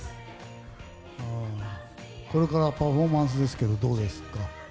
これからパフォーマンスですがどうですか？